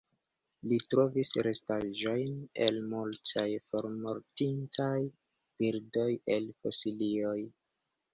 Li trovis restaĵojn el multaj formortintaj birdoj el fosilioj.